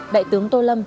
đại tướng tô lâm